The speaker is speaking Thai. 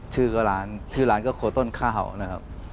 ชื่อก็ร้านชื่อร้านก็โคต้นข้าวนะครับ